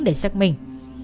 để xác minh